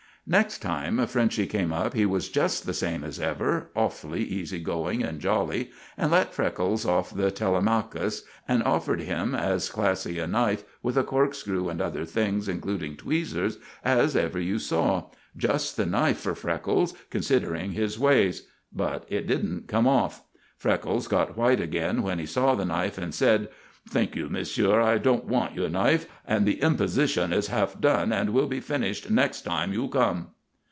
Next time Frenchy came up he was just the same as ever awfully easy going and jolly, and let Freckles off the Telemachus, and offered him as classy a knife, with a corkscrew and other things, including tweezers, as ever you saw just the knife for Freckles, considering his ways. But it didn't come off. Freckles got white again when he saw the knife, and said: "Thank you, Monsieur, I don't want your knife; and the imposition is half done, and will be finished next time you come."